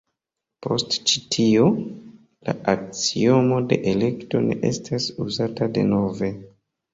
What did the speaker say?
Post ĉi tio, la aksiomo de elekto ne estas uzata denove.